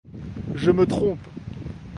Je me trompe.